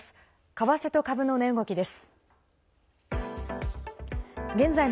為替と株の値動きです。